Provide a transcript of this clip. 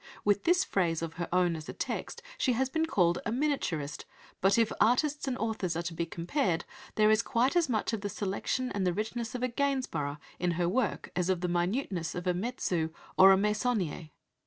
With this phrase of her own as a text she has been called a "miniaturist," but if authors and artists are to be compared, there is quite as much of the selection and the richness of a Gainsborough in her work as of the minuteness of a Metzu or a Meissonier.